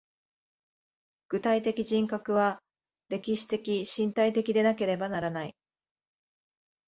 具体的人格は歴史的身体的でなければならない。